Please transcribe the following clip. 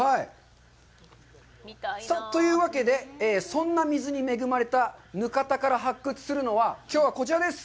というわけで、そんな水に恵まれたぬかたから発掘するのは、きょうはこちらです。